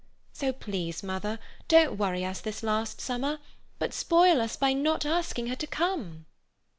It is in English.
So please, mother, don't worry us this last summer; but spoil us by not asking her to come."